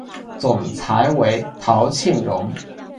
总裁为陶庆荣。